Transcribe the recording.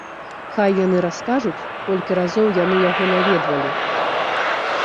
Хай яны раскажуць, колькі разоў яны яго наведвалі.